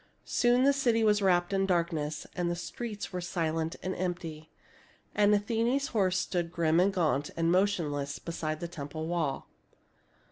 Soon the city was wrapped in darkness, and the streets were silent and empty. And Athene's horse stood grim and gaunt and motionless beside the temple wall.